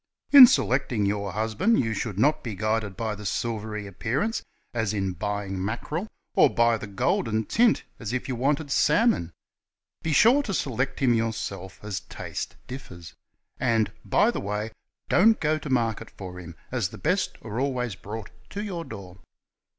''In selecting your husband you should not be guided by the silvery appearance, as in buying mackerel, or by the golden tint, as if you wanted salmon. Be sure to select him yourself, as taste differs. And by the way, don't go to market for him, as the best are always brought to your door.